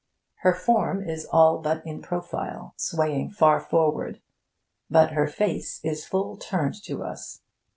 Her form is all but in profile, swaying far forward, but her face is full turned to us.